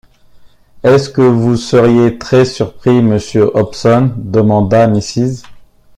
Est-ce que vous seriez très surpris, monsieur Hobson, demanda Mrs.